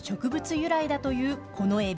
由来だというこのエビ。